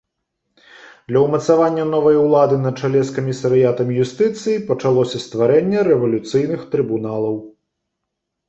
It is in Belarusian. Для ўмацавання новай улады на чале з камісарыятам юстыцыі пачалося стварэнне рэвалюцыйных трыбуналаў.